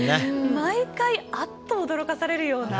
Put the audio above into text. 毎回、あっと驚かされるような。